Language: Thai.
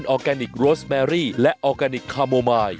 โอเคครับเดี๋ยวกลับมาครับ